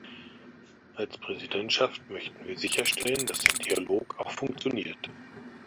Als Präsidentschaft möchten wir sicherstellen, dass der Dialog auch funktioniert.